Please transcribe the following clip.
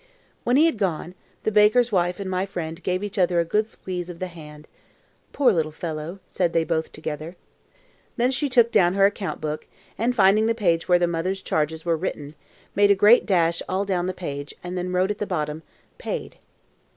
When he had gone, the baker's wife and my friend gave each other a good squeeze of the hand. "Poor little fellow!" said they both together. Then she took down her account book, and, finding the page where the mother's charges were written, made a great dash all down the page, and then wrote at the bottom, "Paid."